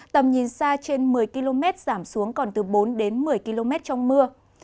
tầm nhìn xa trên một mươi km giảm xuống còn từ bốn đến một mươi km trong mưa